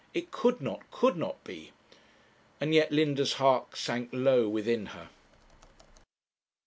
It could not, could not be!' and yet Linda's heart sank low within her.